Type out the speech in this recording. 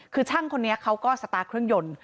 คือช่างคนนี้เขาก็สตาร์ทเครื่องยนต์